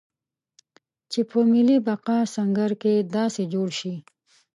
چې په ملي بقا سنګر کې داسې جوړ شي.